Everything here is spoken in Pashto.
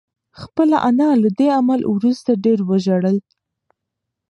خپله انا له دې عمل وروسته ډېره وژړل.